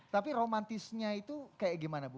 tapi romantisnya itu kayak gimana bu